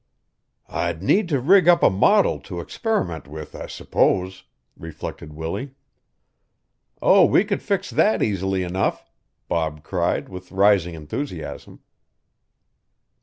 "I'd need to rig up a model to experiment with, I s'pose," reflected Willie. "Oh, we could fix that easily enough," Bob cried with rising enthusiasm.